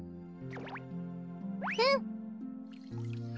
うん！